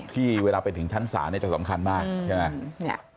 ที่เวลาจะเป็นถึงทันศาจะสำคัญมากใช่มั้ย